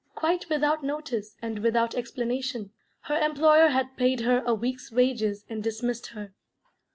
Quite without notice, and without explanation, her employer had paid her a week's wages and dismissed her.